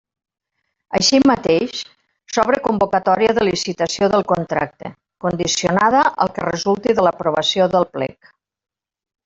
Així mateix, s'obre convocatòria de licitació del contracte, condicionada al que resulti de l'aprovació del Plec.